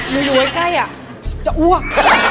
หนูอยู่ไว้ใกล้อ่ะจะอ้วก